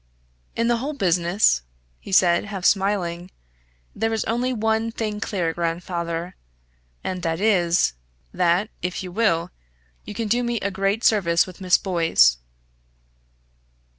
"In the whole business," he said, half smiling, "there is only one thing clear, grandfather, and that is, that, if you will, you can do me a great service with Miss Boyce."